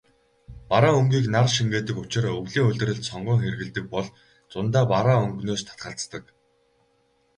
Бараан өнгийг нар шингээдэг учир өвлийн улиралд сонгон хэрэглэдэг бол зундаа бараан өнгөнөөс татгалздаг.